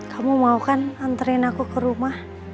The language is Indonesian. kamu mau kan anterin aku ke rumah